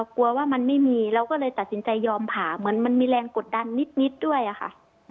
กลัวว่ามันไม่มีเราก็เลยตัดสินใจยอมผ่าเหมือนมันมีแรงกดดันนิดด้วยอะค่ะ